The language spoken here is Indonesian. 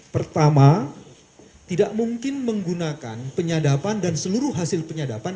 pertama tidak mungkin menggunakan penyadapan dan seluruh hasil penyadapan